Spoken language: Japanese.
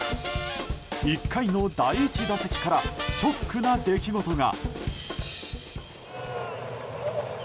１回の第１打席からショックな出来事が。